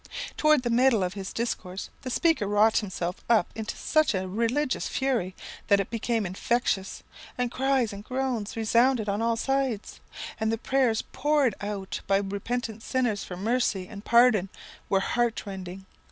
"Towards the middle of his discourse, the speaker wrought himself up into such a religious fury that it became infectious, and cries and groans resounded on all sides; and the prayers poured out by repentant sinners for mercy and pardon were heart rending.